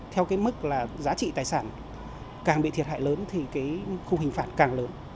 theo mức giá trị tài sản càng bị thiệt hại lớn thì khung hình phản càng lớn